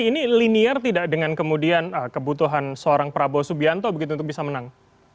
ini linear tidak dengan kemudian kebutuhan seorang prabowo subianto begitu untuk bisa menang